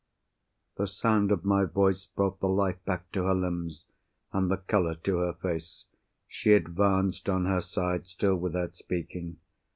The sound of my voice brought the life back to her limbs, and the colour to her face. She advanced, on her side, still without speaking.